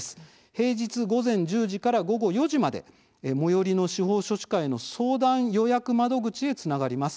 平日午前１０時から午後４時まで最寄りの司法書士会の相談予約窓口へつながります。